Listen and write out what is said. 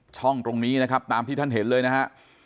ช่องตรงนี้นะครับตามที่ท่านเห็นเลยนะฮะ